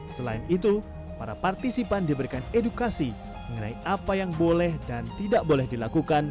selain itu para partisipan diberikan edukasi mengenai apa yang boleh dan tidak boleh dilakukan